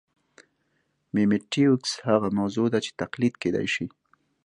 میمیټیکوس هغه موضوع ده چې تقلید کېدای شي